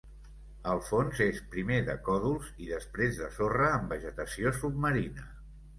El fons és primer de còdols i després de sorra amb vegetació submarina.